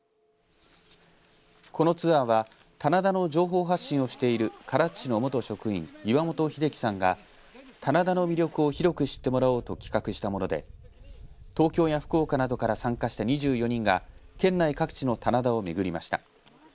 このツアーは棚田の情報発信をしている唐津市の元職員岩本英樹さんが棚田の魅力を広く知ってもらおうと企画したもので東京や福岡などから参加した２４人が県内各地の棚田を巡りました。